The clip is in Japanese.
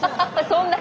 そんな！